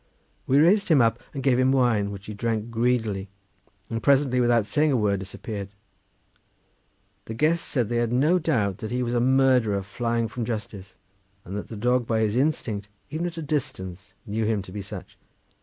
We raised him up and gave him wine, which he drank greedily, and presently without saying a word disappeared. The guests said they had no doubt that he was a murderer flying from justice, and that the dog by his instinct, even at a distance, knew him to be such.